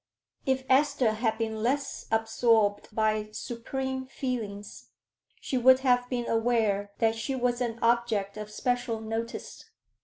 If Esther had been less absorbed by supreme feelings, she would have been aware that she was an object of special notice.